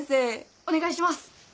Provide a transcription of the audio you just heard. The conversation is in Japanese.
お願いします。